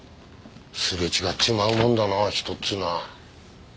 すれ違っちまうもんだな人っていうのは。